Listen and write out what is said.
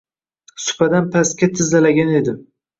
Supadan pastda tizzalagan edi